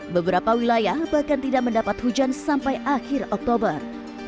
beberapa wilayah bahkan tidak mendapat hujan sampai akhir oktober